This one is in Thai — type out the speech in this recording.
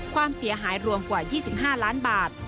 ความเสียหายรวมกว่า๒๕ล้านบาท